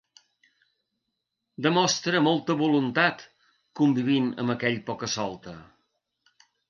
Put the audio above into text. Demostra molta voluntat convivint amb aquell poca-solta.